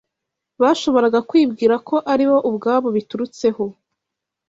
bashoboraga kwibwira ko ari bo ubwabo biturutseho